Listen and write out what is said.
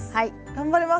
頑張ります！